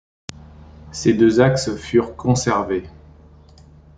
Ces deux axes furent conservés.